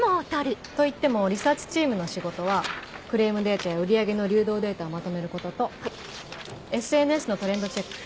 といってもリサーチチームの仕事はクレームデータや売り上げの流動データをまとめることとＳＮＳのトレンドチェック。